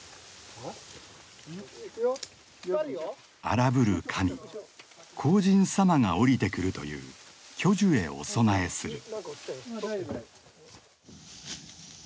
荒ぶる神荒神様が降りてくるという巨樹へお供えする。